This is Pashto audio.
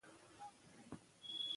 استاد بینوا د پښتو ژبي پالونکی و.